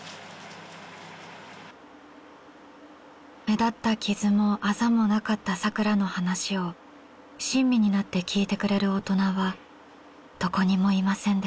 目立った傷もあざもなかったさくらの話を親身になって聞いてくれる大人はどこにもいませんでした。